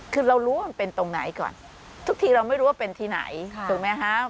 คือเรารู้ว่ามันเป็นตรงไหนก่อนทุกทีเราไม่รู้ว่าเป็นที่ไหนถูกไหมครับ